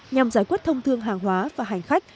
nhằm giải quyết thông thương hàng hóa và hành khách